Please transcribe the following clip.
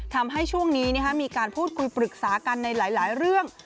ทำให้ช่วงนี้มีการพูดคุยปรึกษากันในหลายเรื่อง